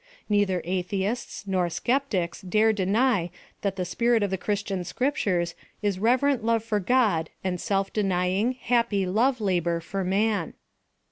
Neither atheists nor sceptics dare deny that the spirit of the Chris tian Scriptures is reverent love for God and self denying, happy love labor for man.